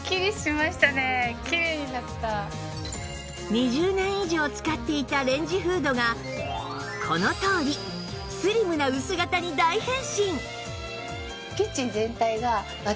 ２０年以上使っていたレンジフードがこのとおりスリムな薄型に大変身！